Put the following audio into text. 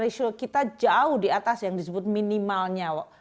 ratio kita jauh di atas yang disebut minimalnya